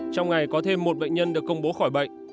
trong ngày có thêm một bệnh nhân được công bố khỏi bệnh